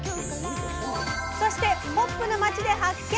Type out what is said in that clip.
そしてホップの町で発見！